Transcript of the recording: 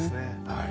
はい。